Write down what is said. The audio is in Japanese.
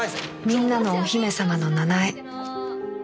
みんなのお姫様の奈々江